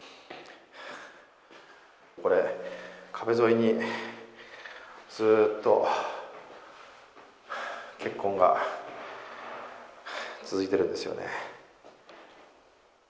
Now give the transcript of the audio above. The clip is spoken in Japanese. これ、壁沿いにずっと血痕が続いているんですよね。